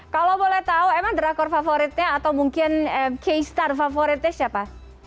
kalau boleh tahu emang drakor favoritnya atau mungkin k star favoritnya siapa